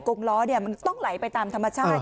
งล้อมันต้องไหลไปตามธรรมชาติ